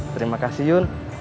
terima kasih yun